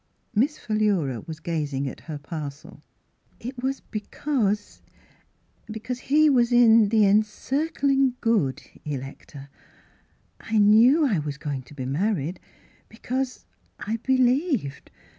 Miss Philura was gazing at her parcel. " It was because — he — he was in the Encircling Good, Electa. I knew I was going to be married because I — I he lieved.